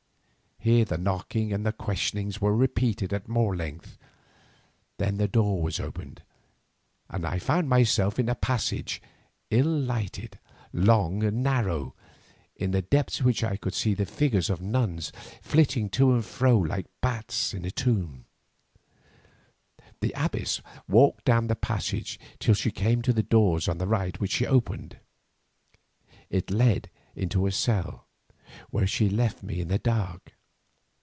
Here the knocking and the questioning were repeated at more length. Then the door was opened, and I found myself in a passage, ill lighted, long and narrow, in the depths of which I could see the figures of nuns flitting to and fro like bats in a tomb. The abbess walked down the passage till she came to a door on the right which she opened. It led into a cell, and here she left me in the dark.